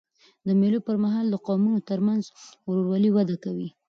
د مېلو پر مهال د قومونو ترمنځ ورورولي وده کوي.